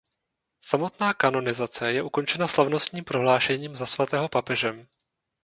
Samotná kanonizace je ukončena slavnostním prohlášením za svatého papežem.